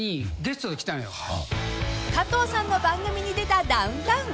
［加藤さんの番組に出たダウンタウン］